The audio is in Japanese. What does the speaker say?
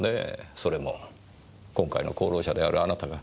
それも今回の功労者であるあなたが。